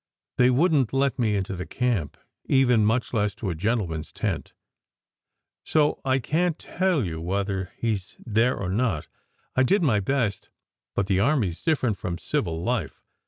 They wouldn t let me into the camp, even, much less to the gentleman s tent, so I can t tell you whether he s there or not. I did my best, but the army s different from civil life.